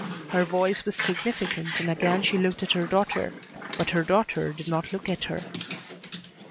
Her voice was significant and again she looked at her daughter, but her daughter did not look at her.